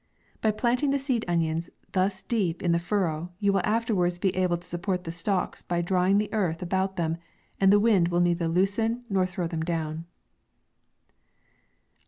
By planting the seed onions thus deep in the furrow, you will afterwards be able to support the stalks by drawing the earth about them, and the wind will neither loosen or throw them down.